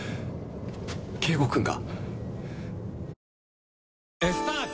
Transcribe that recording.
圭吾君が。